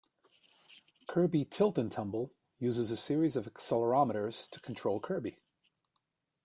"Kirby Tilt 'n' Tumble" uses a series of accelerometers to control Kirby.